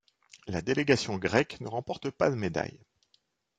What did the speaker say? La délégation grecque ne remporte pas de médaille.